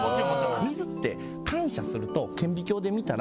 水って感謝すると顕微鏡で見たら。